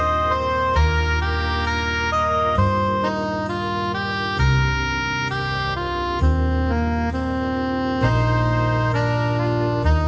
ยังไม่ใช่เกิดอะไร